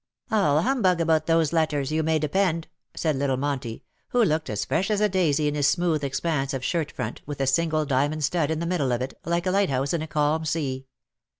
" All humbug about those letters, you may depend/^ said little Monty, who looked as fresh as a daisy in his smooth expanse of shirt front, with a single diamond stud in the middle of it, like a lighthouse in a calm sea.